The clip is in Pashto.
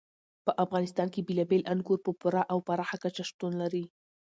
په افغانستان کې بېلابېل انګور په پوره او پراخه کچه شتون لري.